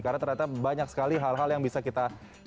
karena ternyata banyak sekali hal hal yang bisa kita terangkan